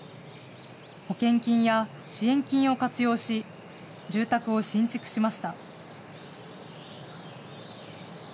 保険金や支援金を活用し、住宅を新築しました。